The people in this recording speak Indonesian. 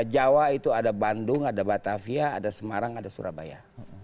jawa itu ada bandung ada batavia ada semarang ada surabaya